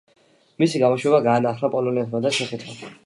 მისი გამოშვება განაახლა პოლონეთმა და ჩეხეთმა.